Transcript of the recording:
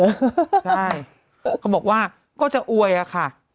ใช่เขาบอกว่าก็จะอวยอะค่ะ